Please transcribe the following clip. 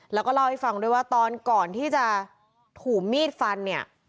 แล้วก็เล่าให้ฟังด้วยว่าตอนก่อนที่จะถูกมีดฟันเนี่ย